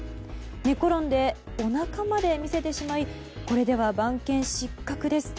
寝転んでおなかまで見せてしまいこれでは番犬失格です。